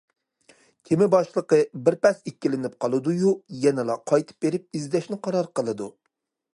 كېمە باشلىقى بىرپەس ئىككىلىنىپ قالىدۇ يۇ، يەنىلا قايتىپ بېرىپ ئىزدەشنى قارار قىلىدۇ.